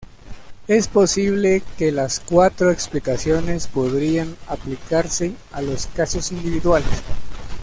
Es posible que las cuatro explicaciones podrían aplicarse a los casos individuales.